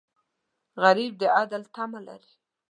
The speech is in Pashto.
غریب د عدل تمه لري